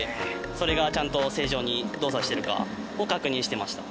それがちゃんと正常に動作してるかを確認してました。